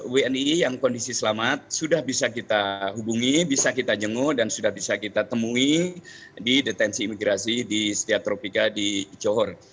wni yang kondisi selamat sudah bisa kita hubungi bisa kita jengu dan sudah bisa kita temui di detensi imigrasi di setiatropika di johor